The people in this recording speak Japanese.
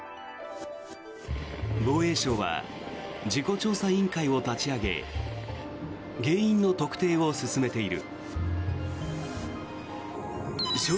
防衛省は事故調査委員会を立ち上げ原因の特定を進めている。